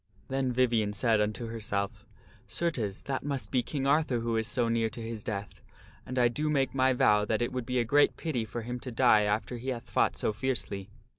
Then Vivien said unto herself, " Certes, that must be King Arthur who is so near to his death, and I do make my vow that it would be a great pity for him to die after he hath fought so fiercely."